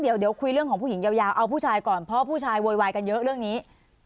เดี๋ยวคุยเรื่องของผู้หญิงยาวเอาผู้ชายก่อนเพราะผู้ชายโวยวายกันเยอะเรื่องนี้